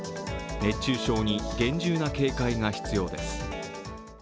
熱中症に厳重な警戒が必要です。